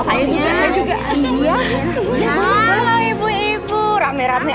batin ear conglights udah banyak banget ya